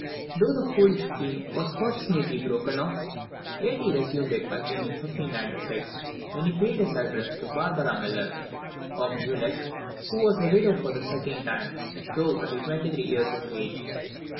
Though the foolish scheme was fortunately broken off, yet he resumed it again in 1596, when he paid his addresses to Barbara Millar of Muleckh, who was a widow for the second time, though only twenty three years of age.